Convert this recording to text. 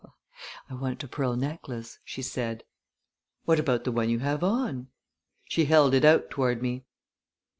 "I want a pearl necklace," she said. "What about the one you have on?" She held it out toward me.